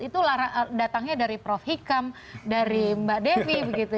itu datangnya dari prof hikam dari mbak devi begitu